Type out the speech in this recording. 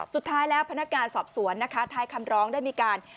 สุดท้ายแล้วพนักงานสอบสวนนะคะท้ายคำร้องได้มีการ